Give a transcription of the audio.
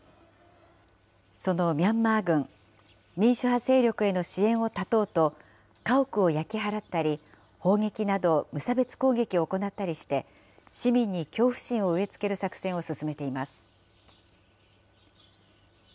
そのミャンマー軍、民主派勢力への支援を断とうと、家屋を焼き払ったり、砲撃など無差別攻撃を行ったりして、市民に恐怖心を植え付ける作戦を進めています。